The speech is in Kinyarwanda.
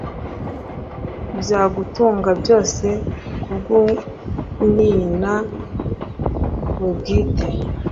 bya gutunga byose kubwumwina we bwite